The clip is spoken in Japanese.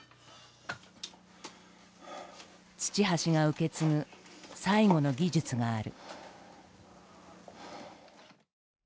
土橋が受け継ぐ最後の技術がある。